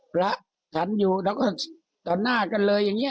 พระฉันอยู่แล้วก็ต่อหน้ากันเลยอย่างนี้